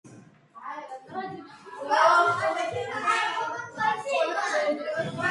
შესასვლელი დასავლეთის კედელშია.